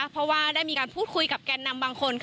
เพราะว่าได้มีการพูดคุยกับแกนนำบางคน